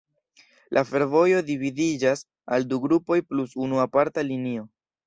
La fervojo dividiĝas al du grupoj plus unu aparta linio.